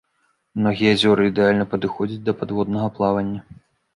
Многія азёры ідэальна падыходзяць для падводнага плавання.